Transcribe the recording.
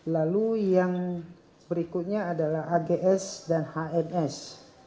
lalu yang berikutnya adalah ags dan hms